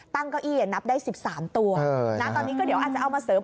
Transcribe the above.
เก้าอี้นับได้๑๓ตัวตอนนี้ก็เดี๋ยวอาจจะเอามาเสริม